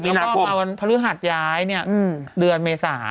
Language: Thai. พอมาวันพฤหัสย้ายเนี่ยเดือนเมษา